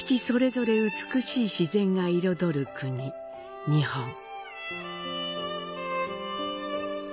それぞれ美しい自然が彩る国、日本。